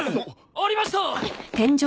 ありました！